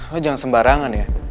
lo jangan sembarangan ya